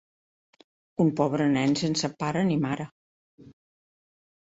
Un pobre nen sense pare ni mare.